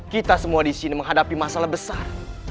kita semua disini menghadapi masalah besar